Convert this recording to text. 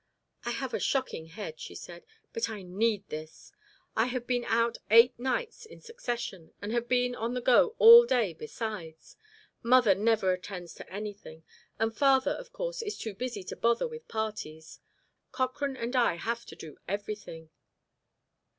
"I have a shocking head," she said; "but I need this. I have been out eight nights in succession, and have been on the go all day besides. Mother never attends to anything; and father, of course, is too busy to bother with parties. Cochrane and I have to do everything."